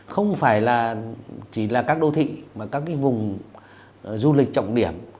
không phải là chỉ là các đô thị mà các cái vùng du lịch trọng điểm